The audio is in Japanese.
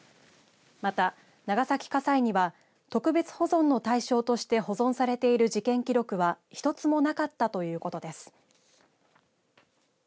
また、長崎家裁には特別保存の対象として保存されている事件記録は１つもなかったということです。